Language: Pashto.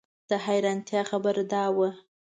د حیرانتیا خبره دا وه.